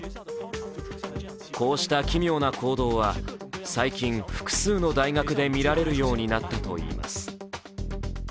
こうした奇妙な行動は最近、複数の大学で見られるようになったといいます。